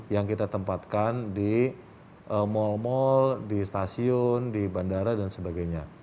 yang kita tempatkan di mal mal di stasiun di bandara dan sebagainya